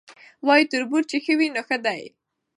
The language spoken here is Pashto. وایي تربور چي ښه وي نو ښه دی